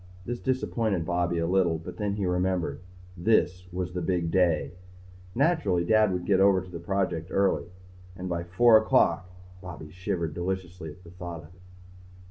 This disappointed Bobby a little but then he remembered this was the big day. Naturally Dad would get over to the project early. And at four o'clock Bobby shivered deliciously at the thought of it.